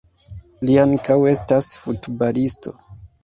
Li ankaŭ estas futbalisto.